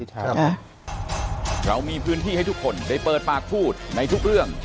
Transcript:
ครับเรามีพื้นที่ให้ทุกคนได้เปิดปากพูดในทุกเรื่อง